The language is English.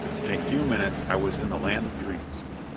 In a few minutes I was in the land of dreams.